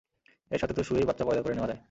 এর সাথে তো শুয়েই বাচ্চা পয়দা করে নেওয়া যায়।